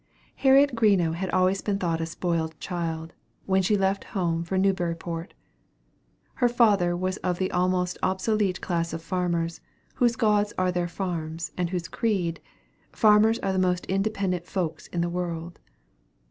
Harriet Greenough had always been thought a spoiled child, when she left home for Newburyport. Her father was of the almost obsolete class of farmers, whose gods are their farms, and whose creed "Farmers are the most independent folks in the world."